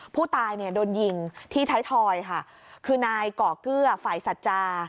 ผู้ตายเนี่ยโดนยิงที่ท้ายทอยค่ะคือนายก่อเกื้อฝ่ายสัจจา